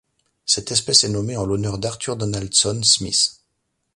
Cette espèce est nommée en l'honneur d'Arthur Donaldson Smith.